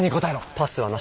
パスはなし。